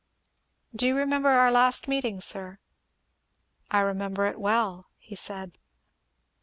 "Do you remember our last meeting, sir?" "I remember it well," he said.